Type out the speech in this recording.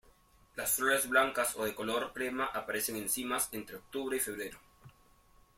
Las flores blancas o de color crema aparecen en cimas entre octubre y febrero.